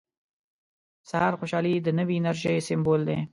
• د سهار خوشحالي د نوې انرژۍ سمبول دی.